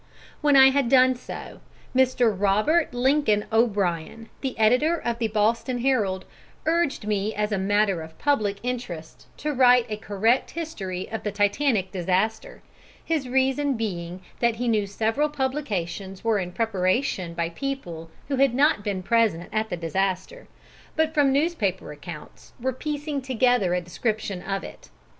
When I had done so, Mr. Robert Lincoln O'Brien, the editor of the Boston Herald, urged me as a matter of public interest to write a correct history of the Titanic disaster, his reason being that he knew several publications were in preparation by people who had not been present at the disaster, but from newspaper accounts were piecing together a description of it.